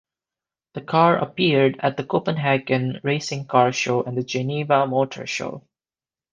The car appeared at the Copenhagen Racing Car Show and the Geneva Motor Show.